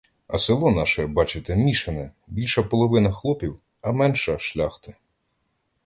А село наше, бачите, мішане, більша половина хлопів, а менша — шляхти.